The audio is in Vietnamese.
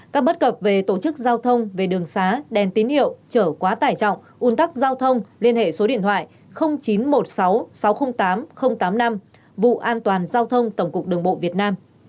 các bất cập về tổ chức giao thông về đường xá đèn tín hiệu chở quá tải trọng un tắc giao thông liên hệ số điện thoại chín trăm một mươi sáu sáu trăm linh tám tám mươi năm vụ an toàn giao thông tổng cục đường bộ việt nam